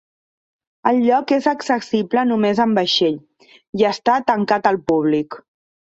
El lloc és accessible només amb vaixell, i està tancat al públic.